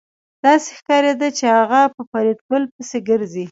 داسې ښکارېده چې هغه په فریدګل پسې ګرځي